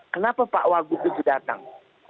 kenapa pak wagu itu tidak datang